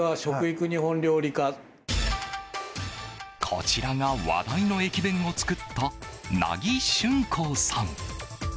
こちらが話題の駅弁を作った梛木春幸さん。